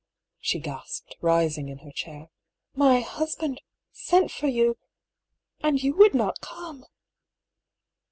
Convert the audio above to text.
she gasped, rising in her chair. " My husband sent for you — ^and you would not come